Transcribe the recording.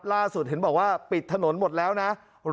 ล่าสุดเห็นบอกว่าปิดถนนหมดแล้วนะ